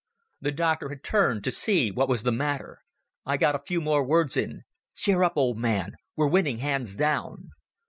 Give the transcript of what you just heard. The doctor had turned to see what was the matter. I got a few more words in. "Cheer up, old man. We're winning hands down."